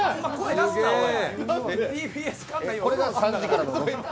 これが３時からの？